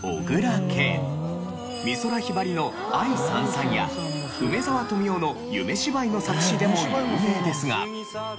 美空ひばりの『愛燦燦』や梅沢富美男の『夢芝居』の作詞でも有名ですが。